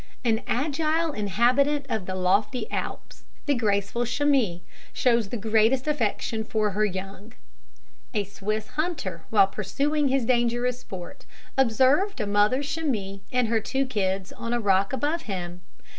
The agile inhabitant of the lofty Alps the graceful chamois shows the greatest affection for her young. A Swiss hunter, while pursuing his dangerous sport, observed a mother chamois and her two kids on a rock above him.